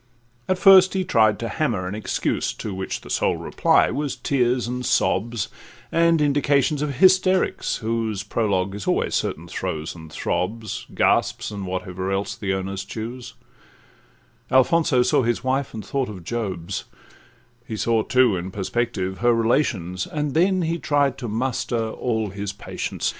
At first he tried to hammer an excuse, To which the sole reply was tears and sobs, And indications of hysterics, whose Prologue is always certain throes, and throbs, Gasps, and whatever else the owners choose: Alfonso saw his wife, and thought of Job's; He saw too, in perspective, her relations, And then he tried to muster all his patience.